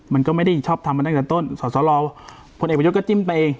มันก็ไม่ได้ชอบทำมาตั้งแต่ต้นสอสรพลเอกประยุทธ์ก็จิ้มไปเอง